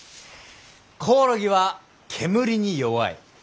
コオロギは煙に弱い。